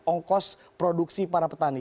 ongkos produksi para pertani